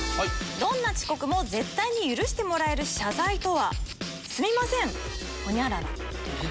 どんな遅刻も絶対に許してもらえる謝罪とは？